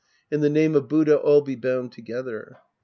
In the name of Buddha, all be bound tegether.